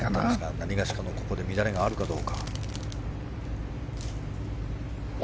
何がしかの乱れがあるかどうか。